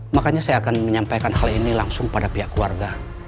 makanya saya akan menyampaikan hal ini langsung pada pihak keluarga